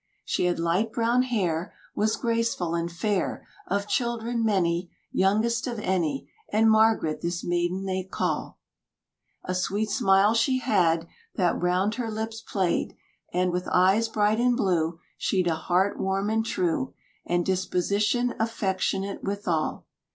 She had light brown hair, Was graceful and fair, Of children many Youngest of any, And Margaret this maiden they call; A sweet smile she had That round her lips played, And with eyes bright and blue She'd a heart warm and true And disposition affectionate withal.